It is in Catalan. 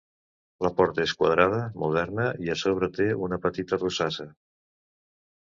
La porta és quadrada, moderna i a sobre té una petita rosassa.